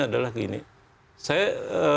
adalah gini saya